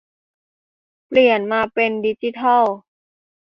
เปลี่ยนมาเป็นดิจิทัล